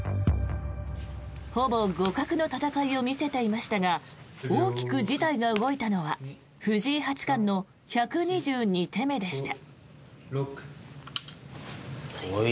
ほぼ互角の戦いを見せていましたが大きく事態が動いたのは藤井八冠の１２２手目でした。